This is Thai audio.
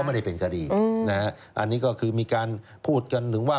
ไม่ได้เป็นคดีนะฮะอันนี้ก็คือมีการพูดกันถึงว่า